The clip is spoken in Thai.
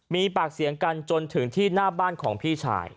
มีปากเสียงกันจนถึงที่หน้าบ้านของพี่ชาย